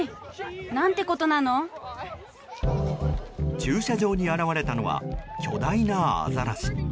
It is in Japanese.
駐車場に現れたのは巨大なアザラシ。